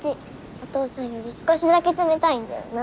お父さんより少しだけ冷たいんだよな。